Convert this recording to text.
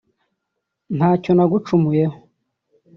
nta cyo nagucumuyeho